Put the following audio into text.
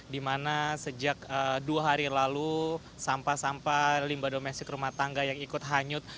di mana sejak dua hari lalu sampah sampah limba domestik rumah tangga yang ikut hanyut